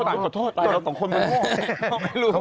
เขาไม่รู้